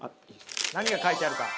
何が書いてあるか。